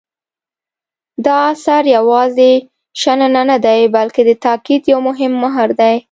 دا اثر یوازې شننه نه دی بلکې د تاکید یو مهم مهر دی.